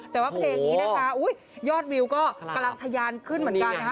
แต่ว่าเพลงนี้นะคะยอดวิวก็กำลังทะยานขึ้นเหมือนกันนะคะ